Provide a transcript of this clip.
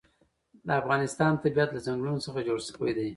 د افغانستان طبیعت له ځنګلونه څخه جوړ شوی دی.